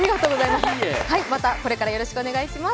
またこれからよろしくお願いします。